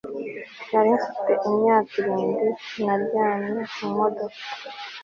nari mfite imyaka irindwi, naryamye mu modoka